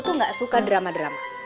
aku gak suka drama drama